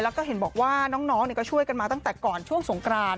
แล้วก็เห็นบอกว่าน้องก็ช่วยกันมาตั้งแต่ก่อนช่วงสงกราน